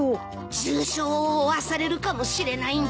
重傷を負わされるかもしれないんだ。